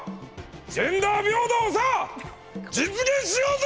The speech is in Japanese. ジェンダー平等をさ実現しようぜ！